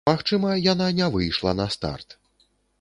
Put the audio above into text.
Магчыма, яна не выйшла на старт.